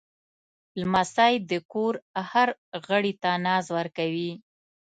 لمسی د کور هر غړي ته ناز ورکوي.